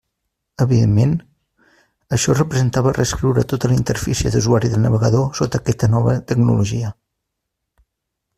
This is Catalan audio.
Evidentment, això representava reescriure tota la interfície d'usuari del navegador sota aquesta nova tecnologia.